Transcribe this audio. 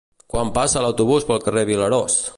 Quan passa l'autobús pel carrer Vilarós?